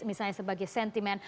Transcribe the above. misalnya sebagai sentimen